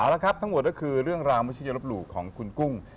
อ๋อแล้วครับทั้งหมดก็คือเรื่องราววิชียรบรูปของคุณกุ้ง